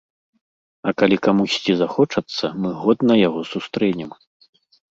А калі камусьці захочацца, мы годна яго сустрэнем.